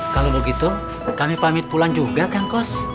kalau begitu kami pamit pulang juga kangkos